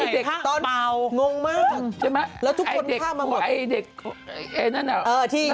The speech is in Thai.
จริงมันงงดูนะเห็นไหมุ่งมันไม่สงบังไกล